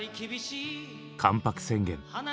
「関白宣言」。